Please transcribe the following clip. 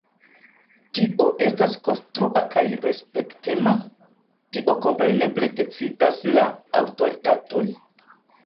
Kio estas “konstrua” kaj “respektema”, tion kompreneble decidas la aŭtoritatoj.